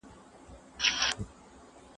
¬ غووي غيڼ وکړې، سوکان څټ وخوړل.